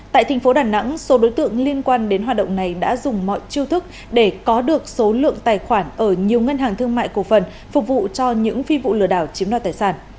tại thành phố đà nẵng số đối tượng liên quan đến hoạt động này đã dùng mọi chiêu thức để có được số lượng tài khoản ở nhiều ngân hàng thương mại cổ phần phục vụ cho những phi vụ lừa đảo chiếm đoạt tài sản